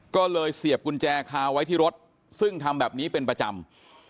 ก็เลยเสียบกุญแจคาไว้ที่รถซึ่งทำแบบนี้เป็นประจำ